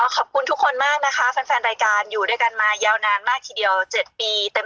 ขอบคุณทุกคนมากนะคะแฟนรายการอยู่ด้วยกันมายาวนานมากทีเดียว๗ปีเต็ม